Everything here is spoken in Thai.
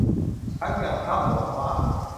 ทั้งยังพร่ำบ่นว่า